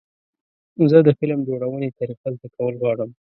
زه د فلم جوړونې طریقه زده کول غواړم.